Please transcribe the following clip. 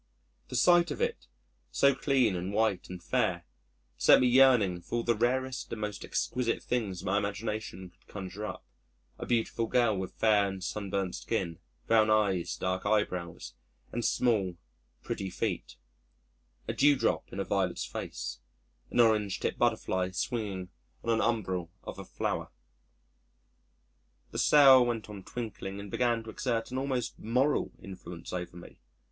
The sight of it so clean and white and fair set me yearning for all the rarest and most exquisite things my imagination could conjure up a beautiful girl, with fair and sunburnt skin, brown eyes, dark eyebrows, and small pretty feet; a dewdrop in a violet's face; an orange tip butterfly swinging on an umbel of a flower. The sail went on twinkling and began to exert an almost moral influence over me.